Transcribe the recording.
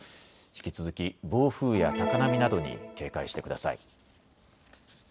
引き続き暴風や高波などに警戒してください。